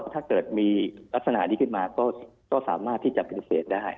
ถ้าเกิดมีลักษณะนี้ขึ้นมาก็สามารถที่จะปฏิเสธได้